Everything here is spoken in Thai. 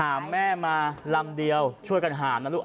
แม่มาลำเดียวช่วยกันหามนะลูก